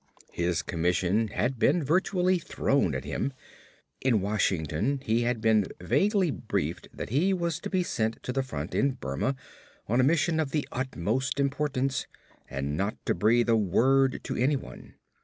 His commission had been virtually thrown at him. In Washington he had been vaguely briefed that he was to be sent to the front in Burma on a mission of the utmost importance and not to breathe a word to anyone.